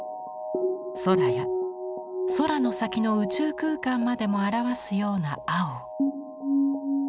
空や空の先の宇宙空間までも表すような青を。